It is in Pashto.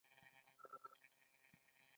مارکوپولو له دې لارې تیر شوی و